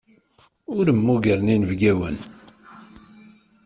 Ur mmugren inebgawen.